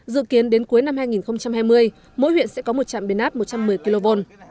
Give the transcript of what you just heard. dự kiến đến cuối năm hai nghìn hai mươi mỗi huyện sẽ có một trạm biến áp một trăm một mươi kv